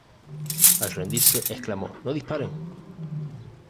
Al rendirse exclamó: ""¡No disparen!